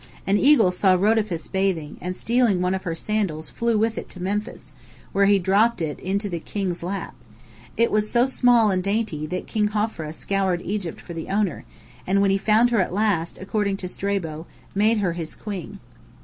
An eagle saw Rhodopis bathing, and stealing one of her sandals flew with it to Memphis, where he dropped it into the king's lap. It was so small and dainty that King Hophra scoured Egypt for the owner, and when he found her at last, according to Strabo, made her his queen."